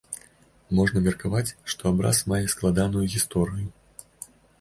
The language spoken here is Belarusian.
Можна меркаваць, што абраз мае складаную гісторыю.